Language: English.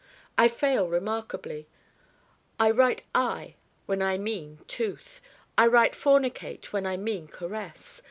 I fail remarkably. I write Eye when I mean Tooth. I write Fornicate when I mean Caress.